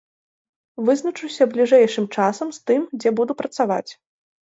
Вызначуся бліжэйшым часам з тым, дзе буду працаваць.